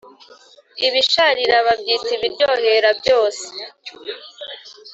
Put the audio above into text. ibisharira babyita ibiryohera byose